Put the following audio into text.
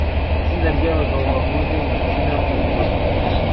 Itsinda ryabagabo bahuje igitsina mubirori